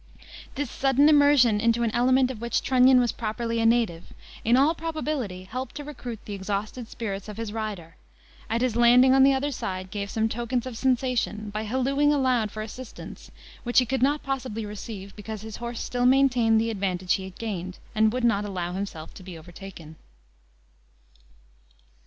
This sudden immersion into an element of which Trunnion was properly a native, in all probability helped to recruit the exhausted spirits of his rider, at his landing on the other side gave some tokens of sensation, by hallooing aloud for assistance, which he could not possibly receive, because his horse still maintained the advantage he had gained, and would not allow himself to be overtaken.